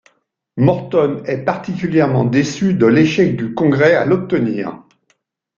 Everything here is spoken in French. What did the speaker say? Morton est particulièrement déçu de l'échec du congrès à l'obtenir.